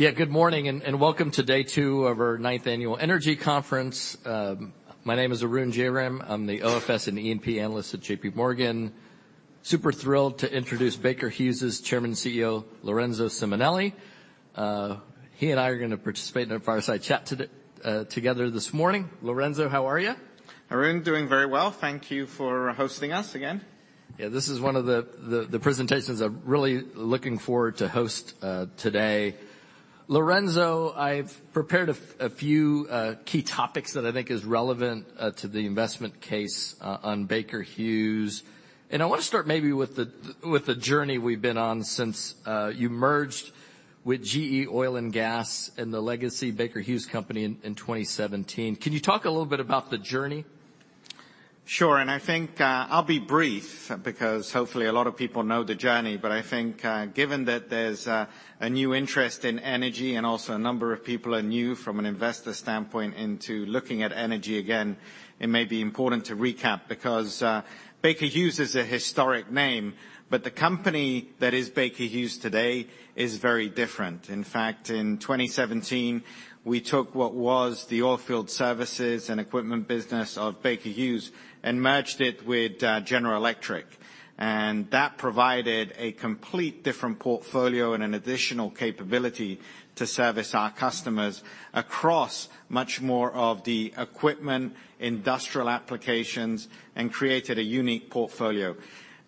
Yeah, good morning, and welcome to day two of our ninth annual energy conference. My name is Arun Jayaram. I'm the OFS and E&P analyst at J.P. Morgan. Super thrilled to introduce Baker Hughes' Chairman and CEO, Lorenzo Simonelli. He and I are gonna participate in a fireside chat today, together this morning. Lorenzo, how are you? Arun, doing very well. Thank you for hosting us again. Yeah, this is one of the presentations I'm really looking forward to host today. Lorenzo, I've prepared a few key topics that I think is relevant to the investment case on Baker Hughes. I wanna start maybe with the journey we've been on since you merged with GE Oil & Gas and the legacy Baker Hughes company in 2017. Can you talk a little bit about the journey? Sure, and I think, I'll be brief because hopefully a lot of people know the journey. But I think, given that there's a new interest in energy and also a number of people are new from an investor standpoint into looking at energy again, it may be important to recap because Baker Hughes is a historic name, but the company that is Baker Hughes today is very different. In fact, in 2017, we took what was the Oilfield Services & Equipment business of Baker Hughes and merged it with General Electric. And that provided a complete different portfolio and an additional capability to service our customers across much more of the equipment, industrial applications, and created a unique portfolio.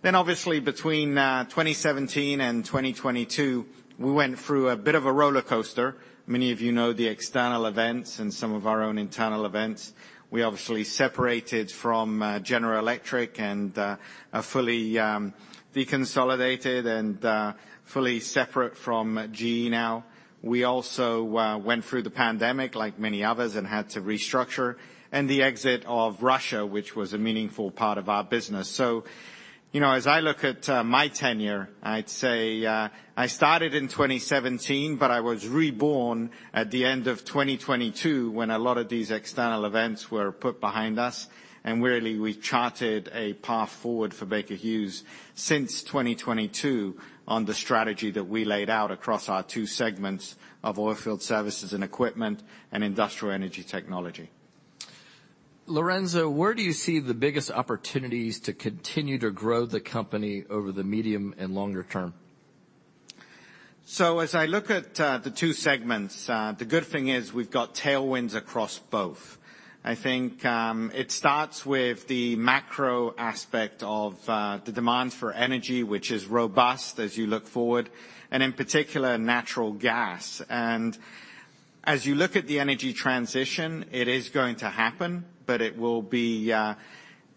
Then obviously, between 2017 and 2022, we went through a bit of a rollercoaster. Many of you know the external events and some of our own internal events. We obviously separated from General Electric and are fully deconsolidated and fully separate from GE now. We also went through the pandemic, like many others, and had to restructure, and the exit of Russia, which was a meaningful part of our business. So, you know, as I look at my tenure, I'd say I started in 2017, but I was reborn at the end of 2022, when a lot of these external events were put behind us, and really, we charted a path forward for Baker Hughes since 2022 on the strategy that we laid out across our two segments of Oilfield Services & Equipment and Industrial & Energy Technology. Lorenzo, where do you see the biggest opportunities to continue to grow the company over the medium and longer term? So, as I look at the two segments, the good thing is we've got tailwinds across both. I think it starts with the macro aspect of the demand for energy, which is robust as you look forward, and in particular, natural gas. And as you look at the energy transition, it is going to happen, but it will be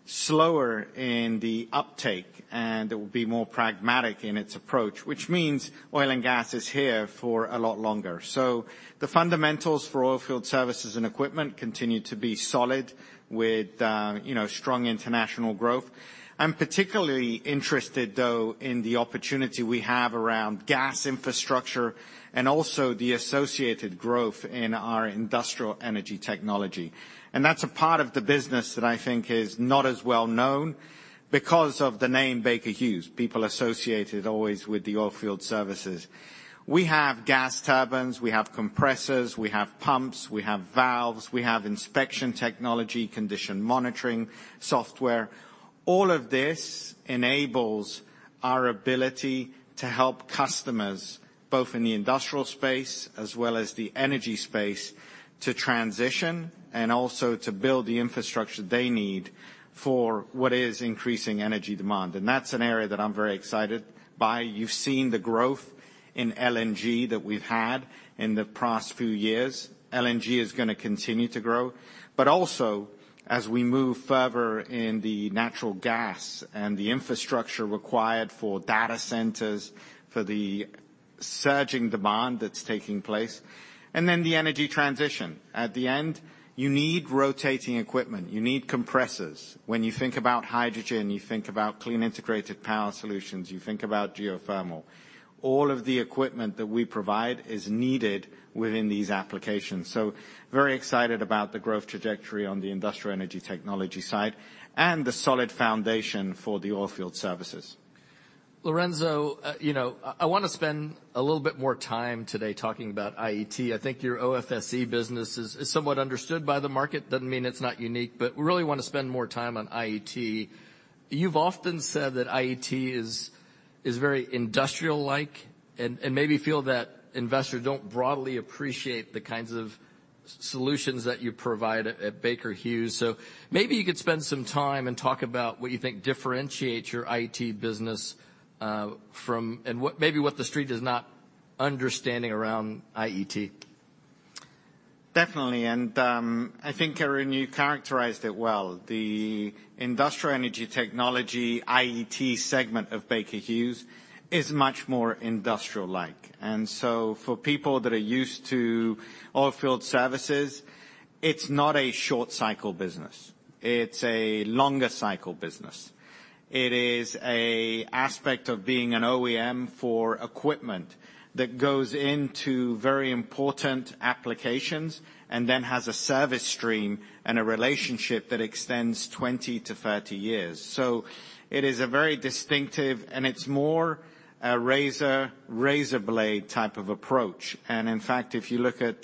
slower in the uptake, and it will be more pragmatic in its approach, which means oil and gas is here for a lot longer. So the fundamentals for Oilfield Services & Equipment continue to be solid with, you know, strong international growth. I'm particularly interested, though, in the opportunity we have around gas infrastructure and also the associated growth in our Industrial & Energy Technology. And that's a part of the business that I think is not as well known because of the name Baker Hughes. People associate it always with the oilfield services. We have gas turbines, we have compressors, we have pumps, we have valves, we have inspection technology, condition monitoring, software. All of this enables our ability to help customers, both in the industrial space as well as the energy space, to transition and also to build the infrastructure they need for what is increasing energy demand. That's an area that I'm very excited by. You've seen the growth in LNG that we've had in the past few years. LNG is gonna continue to grow, but also as we move further in the natural gas and the infrastructure required for data centers, for the surging demand that's taking place, and then the energy transition. At the end, you need rotating equipment. You need compressors. When you think about hydrogen, you think about clean, integrated power solutions, you think about geothermal. All of the equipment that we provide is needed within these applications. Very excited about the growth trajectory on the Industrial & Energy Technology side and the solid foundation for the oilfield services. Lorenzo, you know, I wanna spend a little bit more time today talking about IET. I think your OFSE business is somewhat understood by the market. Doesn't mean it's not unique, but we really wanna spend more time on IET. You've often said that IET is very industrial-like and maybe feel that investors don't broadly appreciate the kinds of solutions that you provide at Baker Hughes. So maybe you could spend some time and talk about what you think differentiates your IET business from... and what maybe what the street is not understanding around IET. Definitely, and, I think, Arun, you characterized it well. The Industrial & Energy Technology, IET, segment of Baker Hughes is much more industrial-like. And so for people that are used to oilfield services, it's not a short-cycle business... It's a longer cycle business. It is a aspect of being an OEM for equipment that goes into very important applications, and then has a service stream and a relationship that extends 20 to 30 years. So it is a very distinctive, and it's more a razor, razor blade type of approach. And in fact, if you look at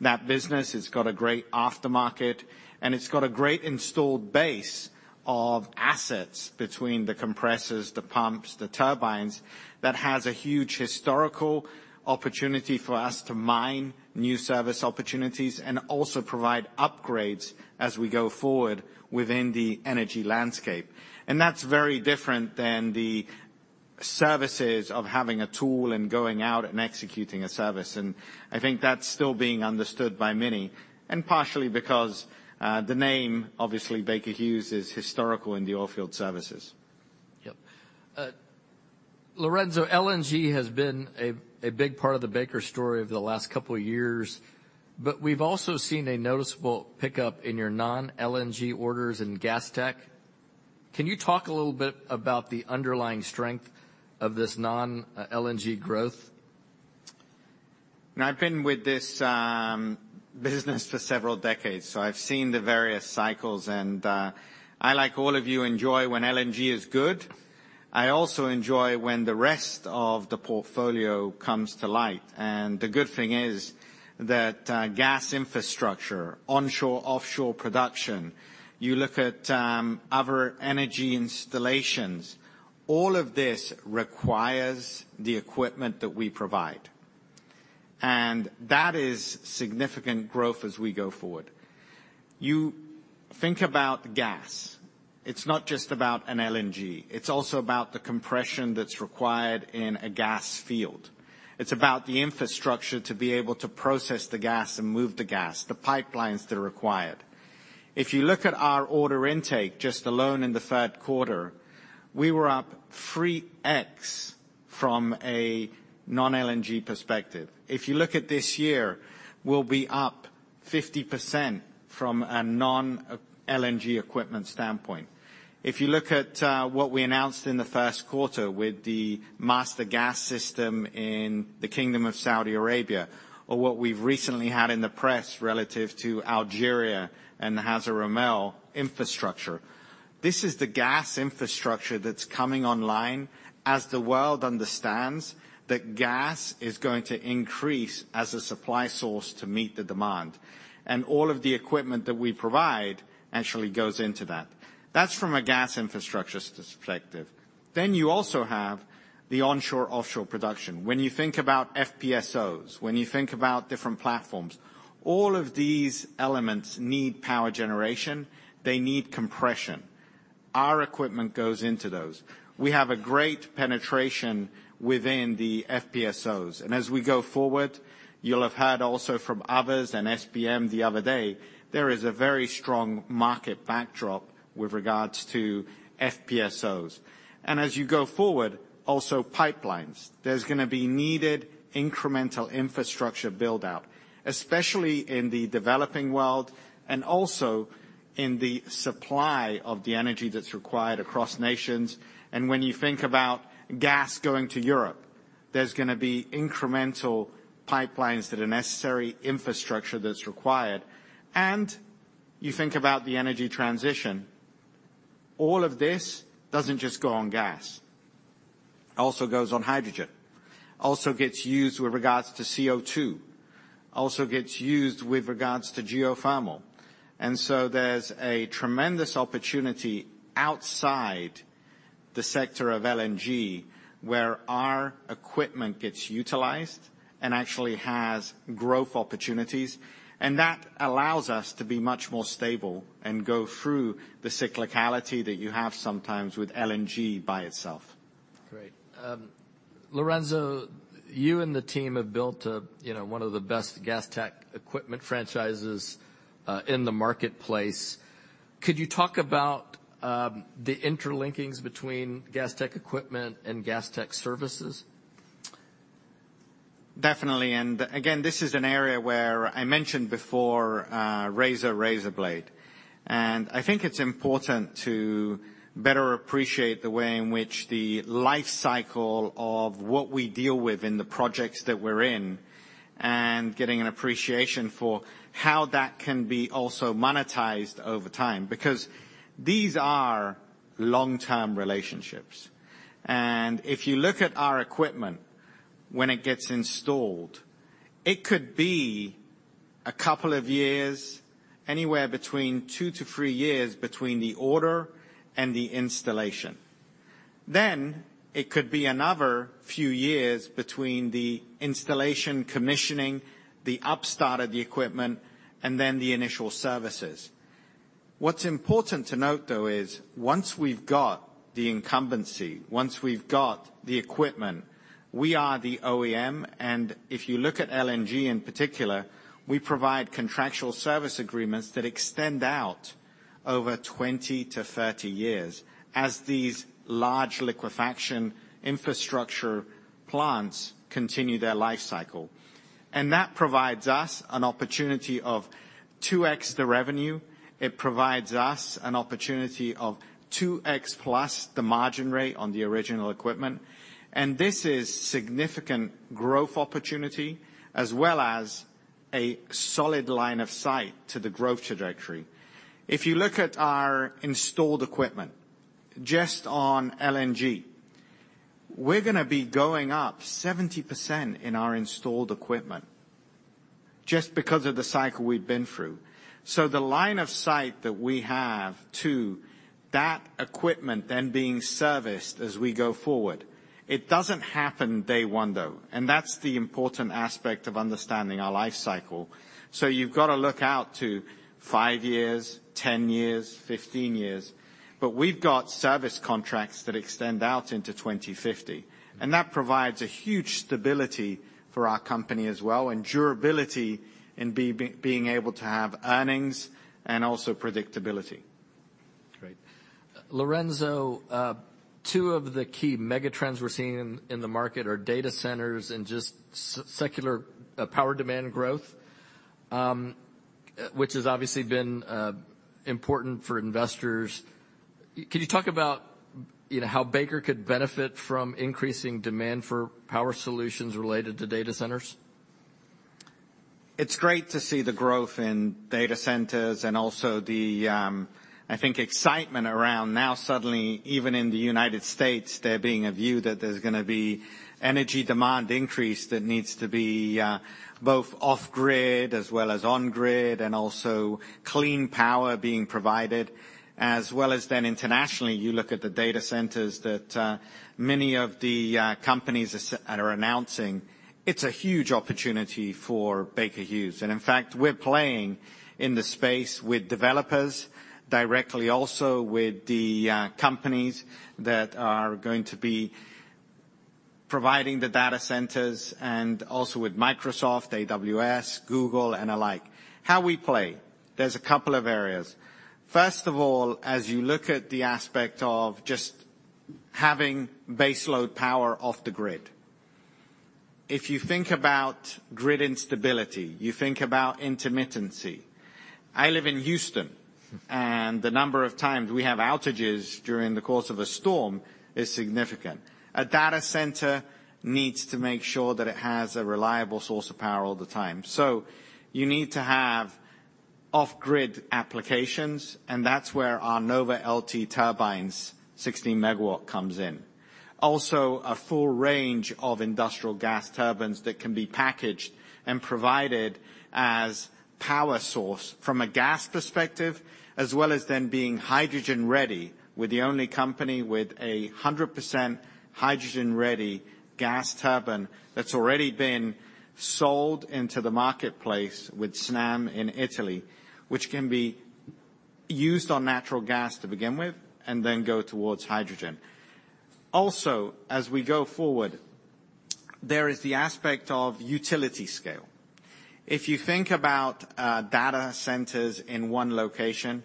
that business, it's got a great aftermarket, and it's got a great installed base of assets between the compressors, the pumps, the turbines, that has a huge historical opportunity for us to mine new service opportunities, and also provide upgrades as we go forward within the energy landscape. That's very different than the services of having a tool and going out and executing a service, and I think that's still being understood by many, and partially because, the name, obviously, Baker Hughes, is historical in the oilfield services. Yep. Lorenzo, LNG has been a big part of the Baker story over the last couple of years, but we've also seen a noticeable pickup in your non-LNG orders in Gas Tech. Can you talk a little bit about the underlying strength of this non-LNG growth? And I've been with this business for several decades, so I've seen the various cycles, and I, like all of you, enjoy when LNG is good. I also enjoy when the rest of the portfolio comes to light. And the good thing is, that gas infrastructure, onshore, offshore production, you look at other energy installations, all of this requires the equipment that we provide. And that is significant growth as we go forward. You think about gas. It's not just about an LNG, it's also about the compression that's required in a gas field. It's about the infrastructure to be able to process the gas and move the gas, the pipelines that are required. If you look at our order intake, just alone in the third quarter, we were up 3x from a non-LNG perspective. If you look at this year, we'll be up 50% from a non-LNG equipment standpoint. If you look at what we announced in the first quarter with the Master Gas System in the Kingdom of Saudi Arabia, or what we've recently had in the press relative to Algeria and the Hassi R'Mel infrastructure, this is the gas infrastructure that's coming online as the world understands that gas is going to increase as a supply source to meet the demand. And all of the equipment that we provide actually goes into that. That's from a gas infrastructure perspective. Then you also have the onshore, offshore production. When you think about FPSOs, when you think about different platforms, all of these elements need power generation, they need compression. Our equipment goes into those. We have a great penetration within the FPSOs, and as we go forward, you'll have heard also from others, and SBM the other day, there is a very strong market backdrop with regards to FPSOs. And as you go forward, also pipelines. There's gonna be needed incremental infrastructure build-out, especially in the developing world, and also in the supply of the energy that's required across nations. And when you think about gas going to Europe, there's gonna be incremental pipelines that are necessary, infrastructure that's required. And you think about the energy transition. All of this doesn't just go on gas, also goes on hydrogen, also gets used with regards to CO2, also gets used with regards to geothermal. And so there's a tremendous opportunity outside the sector of LNG, where our equipment gets utilized and actually has growth opportunities, and that allows us to be much more stable and go through the cyclicality that you have sometimes with LNG by itself. Great. Lorenzo, you and the team have built a, you know, one of the best Gas Technology Equipment franchises in the marketplace. Could you talk about the interlinkages between Gas Technology Equipment and Gas Technology Services? Definitely, and again, this is an area where I mentioned before, razor, razor blade. And I think it's important to better appreciate the way in which the life cycle of what we deal with in the projects that we're in, and getting an appreciation for how that can be also monetized over time, because these are long-term relationships. And if you look at our equipment, when it gets installed, it could be a couple of years, anywhere between 2-3 years between the order and the installation. Then, it could be another few years between the installation, commissioning, the upstart of the equipment, and then the initial services. What's important to note, though, is once we've got the incumbency, once we've got the equipment, we are the OEM, and if you look at LNG in particular, we provide contractual service agreements that extend out over 20-30 years as these large liquefaction infrastructure plants continue their life cycle, and that provides us an opportunity of 2x the revenue. It provides us an opportunity of 2x plus the margin rate on the original equipment, and this is significant growth opportunity, as well as a solid line of sight to the growth trajectory. If you look at our installed equipment, just on LNG, we're gonna be going up 70% in our installed equipment, just because of the cycle we've been through. So the line of sight that we have to that equipment then being serviced as we go forward, it doesn't happen day one, though, and that's the important aspect of understanding our life cycle. So you've got to look out to 5 years, 10 years, 15 years, but we've got service contracts that extend out into 2050, and that provides a huge stability for our company as well, and durability in being able to have earnings and also predictability. Great. Lorenzo, two of the key mega trends we're seeing in the market are data centers and just secular power demand growth, which has obviously been important for investors. Can you talk about, you know, how Baker could benefit from increasing demand for power solutions related to data centers? It's great to see the growth in data centers and also the, I think, excitement around now, suddenly, even in the United States, there being a view that there's gonna be energy demand increase that needs to be both off-grid as well as on-grid, and also clean power being provided, as well as then internationally. You look at the data centers that many of the companies are announcing, it's a huge opportunity for Baker Hughes. And in fact, we're playing in the space with developers, directly also with the companies that are going to be providing the data centers and also with Microsoft, AWS, Google, and alike. How we play? There's a couple of areas. First of all, as you look at the aspect of just having base load power off the grid, if you think about grid instability, you think about intermittency. I live in Houston, and the number of times we have outages during the course of a storm is significant. A data center needs to make sure that it has a reliable source of power all the time, so you need to have off-grid applications, and that's where our NovaLT turbines, 16-megawatt, comes in. Also, a full range of industrial gas turbines that can be packaged and provided as power source from a gas perspective, as well as then being hydrogen-ready. We're the only company with a 100% hydrogen-ready gas turbine that's already been sold into the marketplace with Snam in Italy, which can be used on natural gas to begin with, and then go towards hydrogen. Also, as we go forward, there is the aspect of utility scale. If you think about data centers in one location,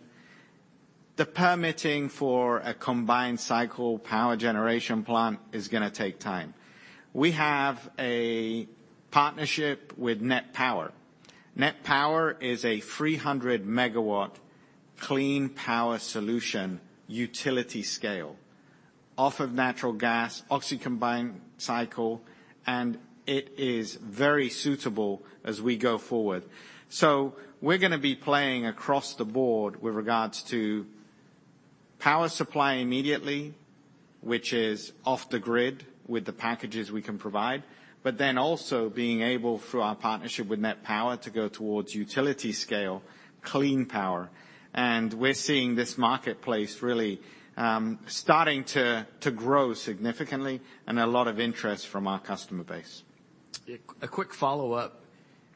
the permitting for a combined cycle power generation plant is gonna take time. We have a partnership with NET Power. NET Power is a 300-megawatt clean power solution, utility scale, off of natural gas, oxy combined cycle, and it is very suitable as we go forward. So we're gonna be playing across the board with regards to power supply immediately, which is off the grid with the packages we can provide, but then also being able, through our partnership with NET Power, to go towards utility scale, clean power. And we're seeing this marketplace really starting to grow significantly and a lot of interest from our customer base. A quick follow-up.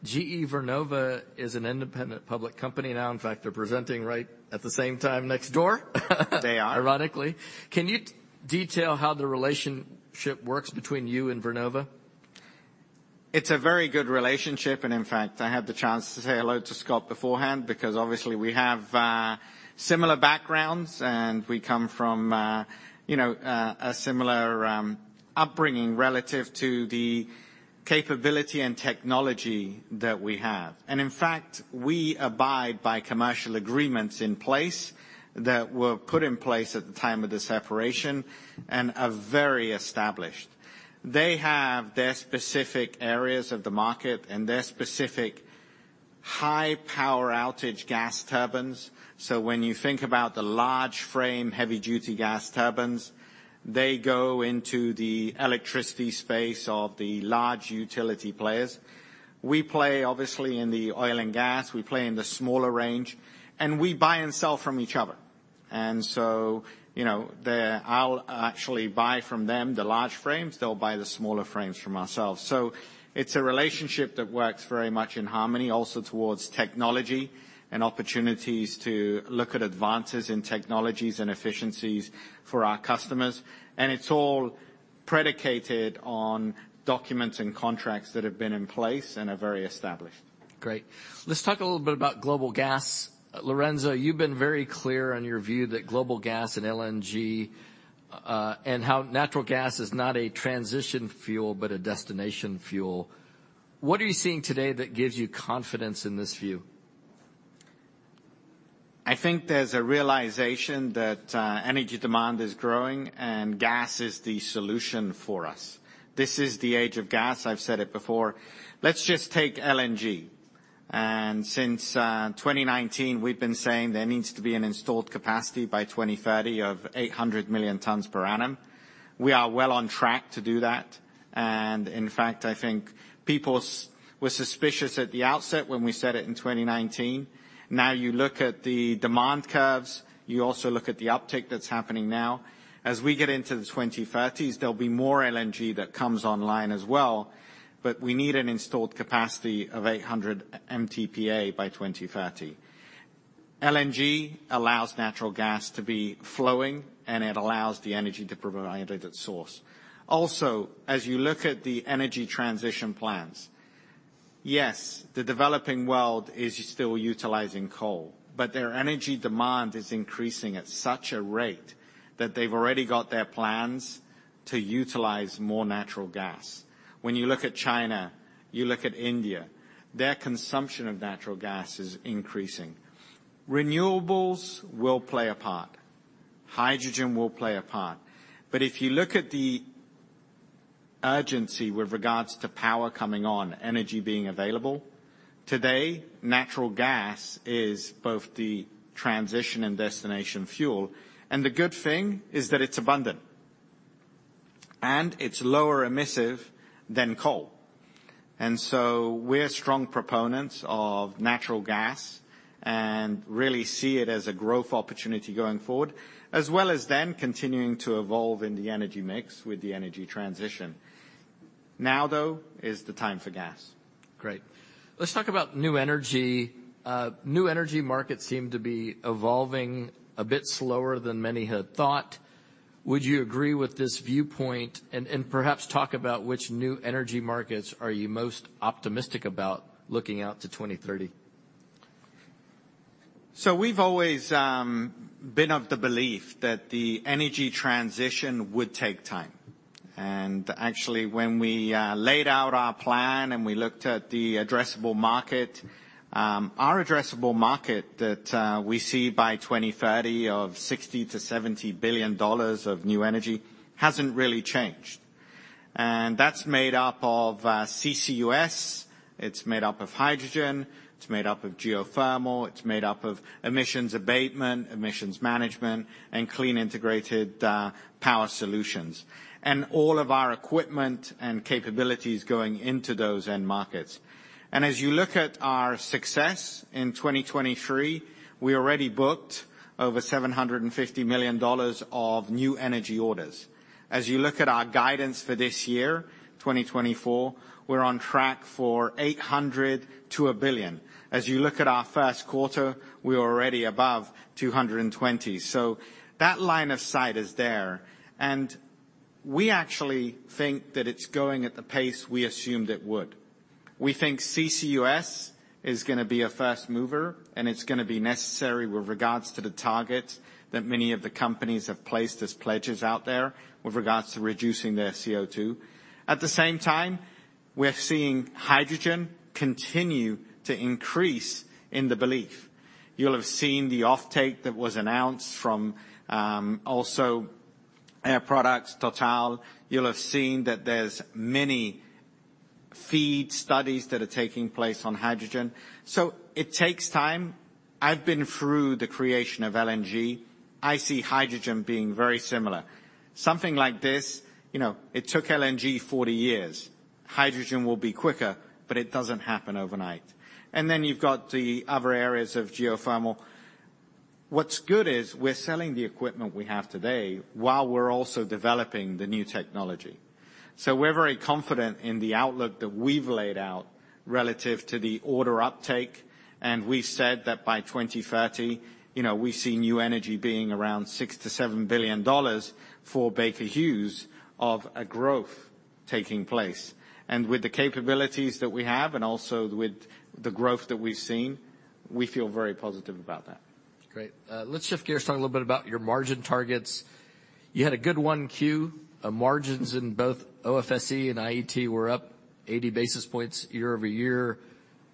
GE Vernova is an independent public company now. In fact, they're presenting right at the same time next door. They are. Ironically. Can you detail how the relationship works between you and Vernova? It's a very good relationship, and in fact, I had the chance to say hello to Scott beforehand because, obviously, we have similar backgrounds, and we come from, you know, a similar upbringing relative to the capability and technology that we have. And in fact, we abide by commercial agreements in place that were put in place at the time of the separation and are very established. They have their specific areas of the market and their specific high-power output gas turbines. So when you think about the large frame, heavy-duty gas turbines, they go into the electricity space of the large utility players. We play, obviously, in the oil and gas, we play in the smaller range, and we buy and sell from each other. And so, you know, I'll actually buy from them, the large frames, they'll buy the smaller frames from ourselves. It's a relationship that works very much in harmony, also towards technology and opportunities to look at advances in technologies and efficiencies for our customers. It's all predicated on documents and contracts that have been in place and are very established.... Great. Let's talk a little bit about global gas. Lorenzo, you've been very clear on your view that global gas and LNG, and how natural gas is not a transition fuel, but a destination fuel. What are you seeing today that gives you confidence in this view? I think there's a realization that, energy demand is growing and gas is the solution for us. This is the age of gas. I've said it before. Let's just take LNG. And since, 2019, we've been saying there needs to be an installed capacity by 2030 of 800 million tons per annum. We are well on track to do that, and in fact, I think people were suspicious at the outset when we said it in 2019. Now, you look at the demand curves, you also look at the uptick that's happening now. As we get into the 2030s, there'll be more LNG that comes online as well, but we need an installed capacity of 800 MTPA by 2030. LNG allows natural gas to be flowing, and it allows the energy to provide a good source. Also, as you look at the energy transition plans, yes, the developing world is still utilizing coal, but their energy demand is increasing at such a rate that they've already got their plans to utilize more natural gas. When you look at China, you look at India, their consumption of natural gas is increasing. Renewables will play a part, hydrogen will play a part, but if you look at the urgency with regards to power coming on, energy being available, today, natural gas is both the transition and destination fuel. And the good thing is that it's abundant, and it's lower emissive than coal. And so we're strong proponents of natural gas and really see it as a growth opportunity going forward, as well as then continuing to evolve in the energy mix with the energy transition. Now, though, is the time for gas. Great. Let's talk about new energy. New energy markets seem to be evolving a bit slower than many had thought. Would you agree with this viewpoint? And, perhaps talk about which new energy markets are you most optimistic about looking out to 2030. So we've always been of the belief that the energy transition would take time, and actually, when we laid out our plan and we looked at the addressable market, our addressable market that we see by 2030 of $60 billion-$70 billion of new energy hasn't really changed. And that's made up of CCUS, it's made up of hydrogen, it's made up of geothermal, it's made up of emissions abatement, emissions management, and clean, integrated power solutions, and all of our equipment and capabilities going into those end markets. And as you look at our success in 2023, we already booked over $750 million of new energy orders. As you look at our guidance for this year, 2024, we're on track for $800 million-$1 billion. As you look at our first quarter, we're already above 220. So that line of sight is there, and we actually think that it's going at the pace we assumed it would. We think CCUS is gonna be a fast mover, and it's gonna be necessary with regards to the targets that many of the companies have placed as pledges out there with regards to reducing their CO2. At the same time, we're seeing hydrogen continue to increase in the belief. You'll have seen the offtake that was announced from also Air Products, Total. You'll have seen that there's many FEED studies that are taking place on hydrogen, so it takes time. I've been through the creation of LNG. I see hydrogen being very similar. Something like this, you know, it took LNG 40 years. Hydrogen will be quicker, but it doesn't happen overnight. Then you've got the other areas of geothermal. What's good is we're selling the equipment we have today, while we're also developing the new technology. So we're very confident in the outlook that we've laid out relative to the order uptake, and we said that by 2030, you know, we see new energy being around $6 billion-$7 billion for Baker Hughes of a growth taking place. And with the capabilities that we have and also with the growth that we've seen, we feel very positive about that. Great. Let's shift gears, talk a little bit about your margin targets. You had a good Q1. Margins in both OFSE and IET were up 80 basis points year-over-year.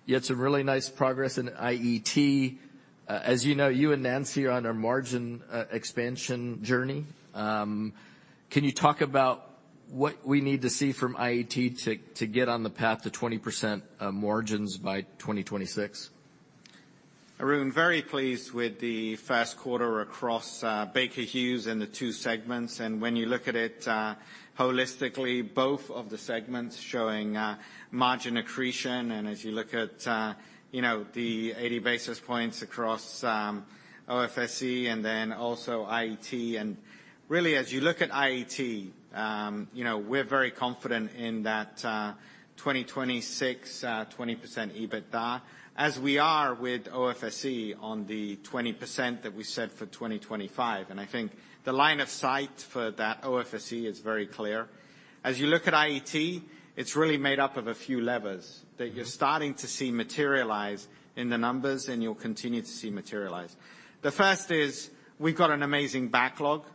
You had some really nice progress in IET. As you know, you and Nancy are on a margin expansion journey. Can you talk about what we need to see from IET to get on the path to 20% margins by 2026? Arun, very pleased with the first quarter across Baker Hughes and the two segments. And when you look at it holistically, both of the segments showing margin accretion, and as you look at you know, the 80 basis points across OFSE and then also IET. And really, as you look at IET, you know, we're very confident in that 2026 20% EBITDA as we are with OFSE on the 20% that we set for 2025, and I think the line of sight for that OFSE is very clear. As you look at IET, it's really made up of a few levers that you're starting to see materialize in the numbers, and you'll continue to see materialize. The first is we've got an amazing backlog.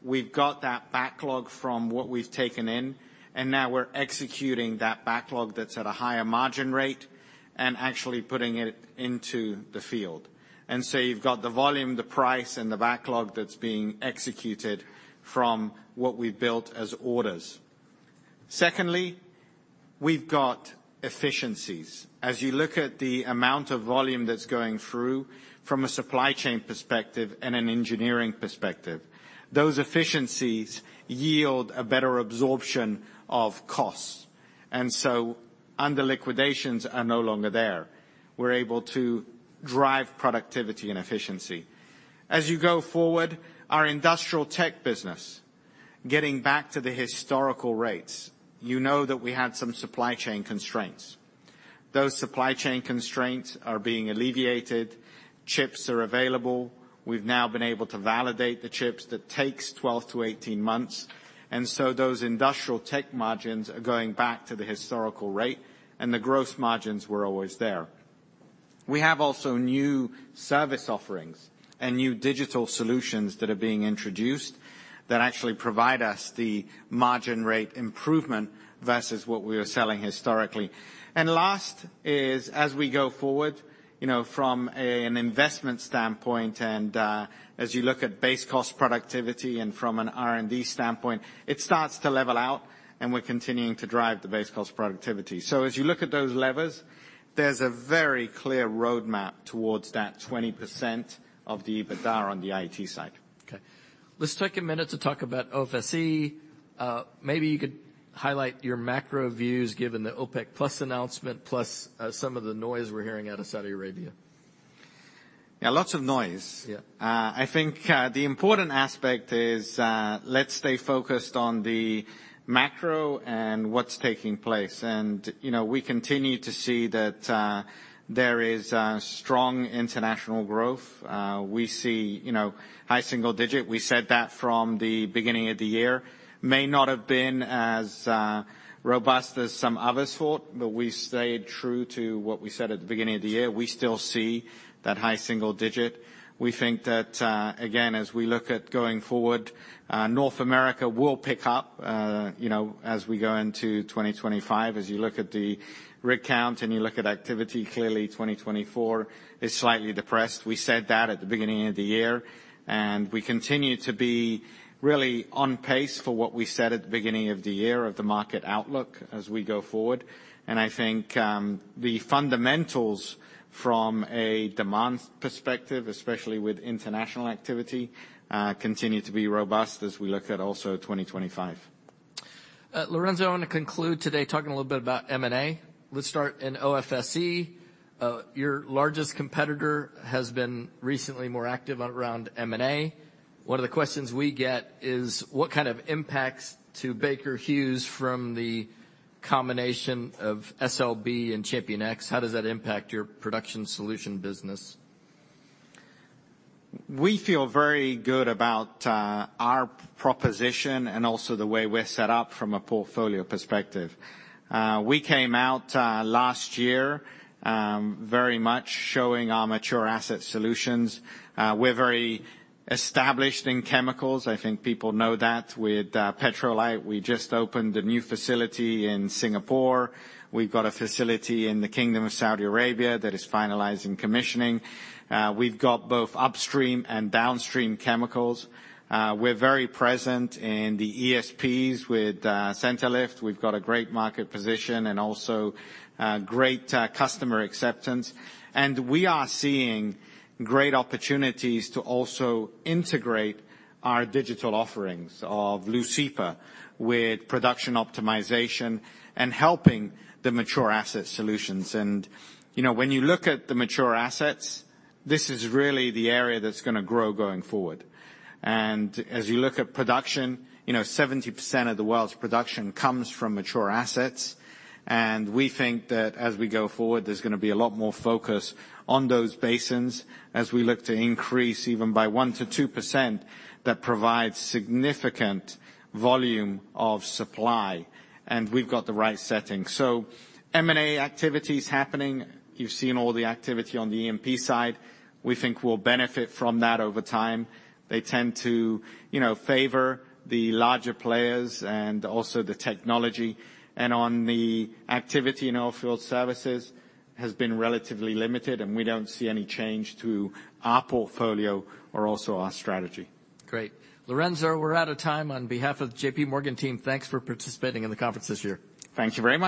We've got that backlog from what we've taken in, and now we're executing that backlog that's at a higher margin rate and actually putting it into the field. So you've got the volume, the price, and the backlog that's being executed from what we've built as orders. Secondly, we've got efficiencies. As you look at the amount of volume that's going through from a supply chain perspective and an engineering perspective, those efficiencies yield a better absorption of costs. So the liquidations are no longer there. We're able to drive productivity and efficiency. As you go forward, our Industrial Tech business, getting back to the historical rates, you know that we had some supply chain constraints. Those supply chain constraints are being alleviated. Chips are available. We've now been able to validate the chips. That takes 12-18 months, and so those Industrial Tech margins are going back to the historical rate, and the gross margins were always there. We have also new service offerings and new digital solutions that are being introduced that actually provide us the margin rate improvement versus what we were selling historically. And last is, as we go forward, you know, from an investment standpoint, and, as you look at base cost productivity and from an R&D standpoint, it starts to level out, and we're continuing to drive the base cost productivity. So as you look at those levers, there's a very clear roadmap towards that 20% of the EBITDA on the IET side. Okay, let's take a minute to talk about OFSE. Maybe you could highlight your macro views given the OPEC+ announcement, plus, some of the noise we're hearing out of Saudi Arabia. Yeah, lots of noise. Yeah. I think, the important aspect is, let's stay focused on the macro and what's taking place, and, you know, we continue to see that, there is, strong international growth. We see, you know, high single digit. We said that from the beginning of the year. May not have been as, robust as some others thought, but we stayed true to what we said at the beginning of the year. We still see that high single digit. We think that, again, as we look at going forward, North America will pick up, you know, as we go into 2025. As you look at the rig count, and you look at activity, clearly 2024 is slightly depressed. We said that at the beginning of the year, and we continue to be really on pace for what we said at the beginning of the year of the market outlook as we go forward. And I think, the fundamentals from a demand perspective, especially with international activity, continue to be robust as we look at also 2025. Lorenzo, I wanna conclude today talking a little bit about M&A. Let's start in OFSE. Your largest competitor has been recently more active around M&A. One of the questions we get is, what kind of impacts to Baker Hughes from the combination of SLB and ChampionX? How does that impact your Production Solutions business? We feel very good about our proposition and also the way we're set up from a portfolio perspective. We came out last year very much showing our Mature Asset Solutions. We're very established in chemicals. I think people know that. With Petrolite, we just opened a new facility in Singapore. We've got a facility in the Kingdom of Saudi Arabia that is finalizing commissioning. We've got both upstream and downstream chemicals. We're very present in the ESPs with Centrilift. We've got a great market position and also great customer acceptance. And we are seeing great opportunities to also integrate our digital offerings of Leucipa with production optimization and helping the Mature Asset Solutions. And, you know, when you look at the mature assets, this is really the area that's gonna grow going forward. As you look at production, you know, 70% of the world's production comes from mature assets, and we think that as we go forward, there's gonna be a lot more focus on those basins as we look to increase even by 1%-2%, that provides significant volume of supply, and we've got the right setting. So M&A activity is happening. You've seen all the activity on the E&P side. We think we'll benefit from that over time. They tend to, you know, favor the larger players and also the technology. And on the activity in our field services has been relatively limited, and we don't see any change to our portfolio or also our strategy. Great. Lorenzo, we're out of time. On behalf of the J.P. Morgan team, thanks for participating in the conference this year. Thank you very much.